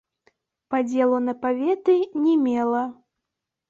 Падзелу на паветы не мела.